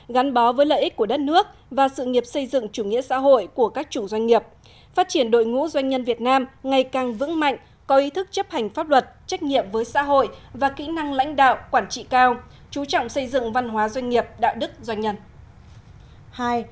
gắn bó với lợi ích của đất nước và sự nghiệp xây dựng chủ nghĩa xã hội của các chủ doanh nghiệp phát triển đội ngũ doanh nhân việt nam ngày càng vững mạnh có ý thức chấp hành pháp luật trách nhiệm với xã hội và kỹ năng lãnh đạo quản trị cao chú trọng xây dựng văn hóa doanh nghiệp đạo đức doanh nhân